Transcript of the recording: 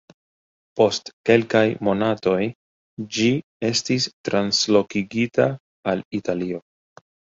Post kelkaj monatoj, ĝi estis translokigita al Italio.